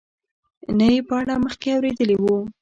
نه یې په اړه مخکې اورېدلي وو.